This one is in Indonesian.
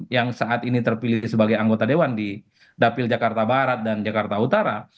yang saat ini terpilih sebagai anggota dewan di dapil jakarta barat dan jakarta utara